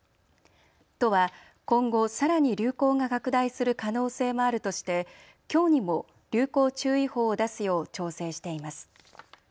都は今後、さらに流行が拡大する可能性もあるとしてきょうにも流行注意報を出すよう調整しています。